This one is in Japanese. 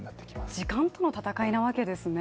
時間との闘いなわけですね。